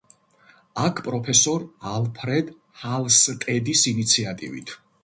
აქ პროფესორ ალფრედ ჰალსტედის ინიციატივით